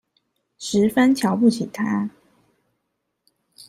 十分瞧不起他